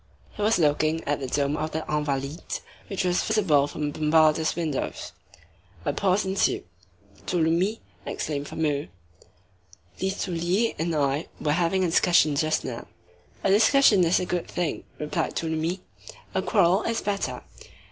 He was looking at the dome of the Invalides, which was visible from Bombarda's windows. A pause ensued. "Tholomyès," exclaimed Fameuil, "Listolier and I were having a discussion just now." "A discussion is a good thing," replied Tholomyès; "a quarrel is better."